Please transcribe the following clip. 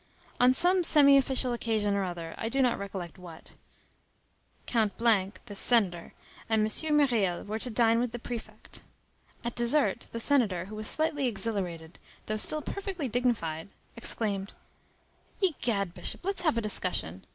On some semi official occasion or other, I do not recollect what, Count [this senator] and M. Myriel were to dine with the prefect. At dessert, the senator, who was slightly exhilarated, though still perfectly dignified, exclaimed:— "Egad, Bishop, let's have a discussion.